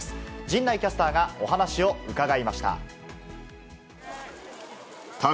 陣内キャスターがお話を伺いました。